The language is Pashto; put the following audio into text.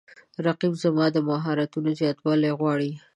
رقیب زما د مهارتونو زیاتوالی غواړي